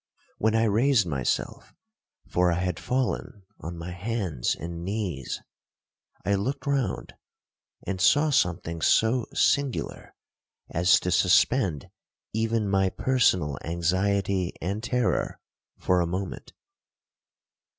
When I raised myself, for I had fallen on my hands and knees, I looked round, and saw something so singular, as to suspend even my personal anxiety and terror for a moment.